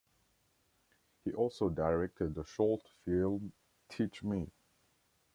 He also directed the short film Teach Me!